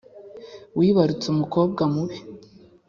wibarutse umukobwa mubi